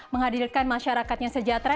menghadirkan masyarakat yang sejahtera